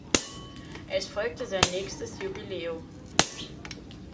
Es folgte sein nächstes Jubiläum.